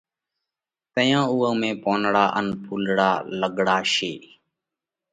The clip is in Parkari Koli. تئيون اُوئا ۾ پونَڙا ان ڦُولڙا لڳاڙشي۔